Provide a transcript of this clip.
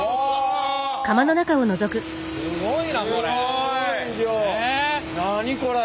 すごい量何これ！